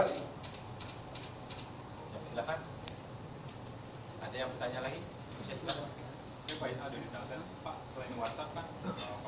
gitu ibaratnya nah tindakan kominfo